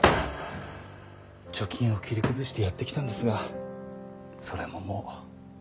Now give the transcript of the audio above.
貯金を切り崩してやってきたんですがそれももう。